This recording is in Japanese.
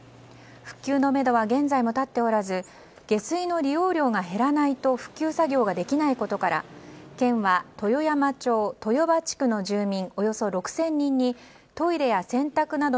復旧のめどは現在も立っておらず下水の利用量が減らないと復旧作業ができないことから県は豊山町豊場地区の住民